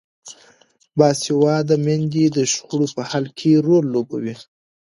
باسواده میندې د شخړو په حل کې رول لوبوي.